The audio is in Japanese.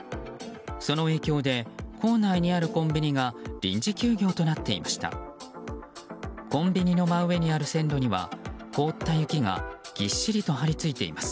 その影響で構内にあるコンビニが臨時休業となっていました。